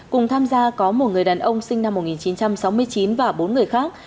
cùng tham gia có một người đàn ông sinh năm một nghìn chín trăm sáu mươi chín và bốn người khác